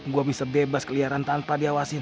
gue bisa bebas keliaran tanpa diawasin